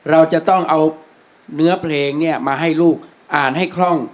เราจะต้องเอาเนื้อเพลงเนี่ยมาให้ลูกอ่านให้คล่อง